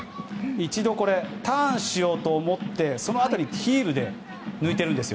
一度、ターンしようと思ってそのあと、ヒールで抜いているんです。